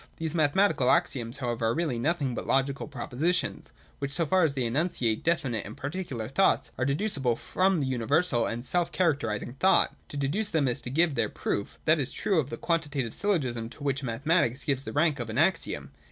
These mathematical axioms however are really nothing but logical propositions, which, so far as they enunciate definite and particular thoughts, are deducible from the universal and self characterising thought. To deduce them, is to give their proof. That is true of the Quantitative syllogism, to which mathematics gives the rank of an axiom.